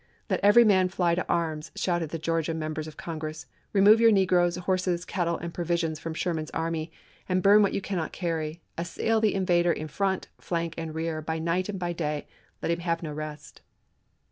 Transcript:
" Let every man fly to arms !" shouted the Georgia mem bers of Congress. "Remove your negroes, horses, cattle, and provisions from Sherman's army, and burn what you cannot carry. .. Assail the in "MeSfr vader in front, flank, and rear, by night and by day. pp. 189, wo. Let him have no rest."